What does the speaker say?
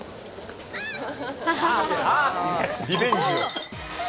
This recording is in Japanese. リベンジを。